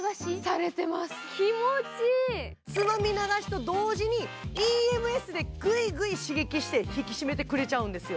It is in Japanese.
つまみ流しと同時にＥＭＳでぐいぐい刺激して引き締めてくれちゃうんですよ。